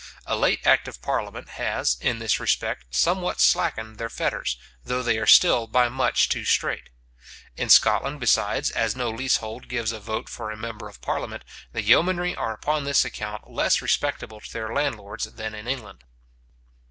A late act of parliament has, in this respect, somewhat slackened their fetters, though they are still by much too strait. In Scotland, besides, as no leasehold gives a vote for a member of parliament, the yeomanry are upon this account less respectable to their landlords than in England.